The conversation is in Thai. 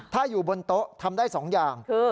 ถ้าอยู่บนโต๊ะทำได้๒อย่าง